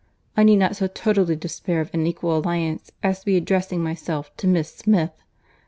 I need not so totally despair of an equal alliance, as to be addressing myself to Miss Smith!